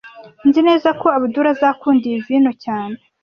Nzi neza ko Abdul azakunda iyi vino cyane